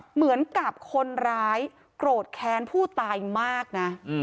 เหมือนกับคนร้ายโกรธแค้นผู้ตายมากนะ